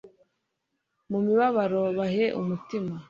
mu mibabaro bahe umutima